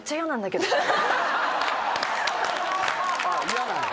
嫌なんだ。